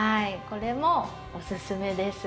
これもおすすめです。